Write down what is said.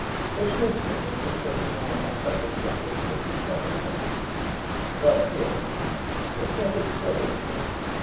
Such an opinion from such a man on such a subject would be quite a compliment. And I feel it. But yet it troubles me.